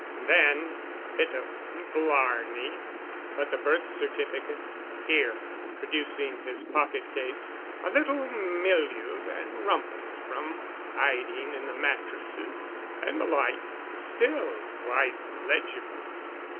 And then, a bit of blarney——" "But the birth certificate——" "Here—," producing his pocket case, "a little mildewed and rumpled from hiding in the mattresses, and the like, but still quite legible.